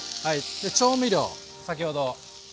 で調味料先ほど。